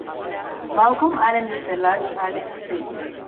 Malcolm Island Is the large Island to the east.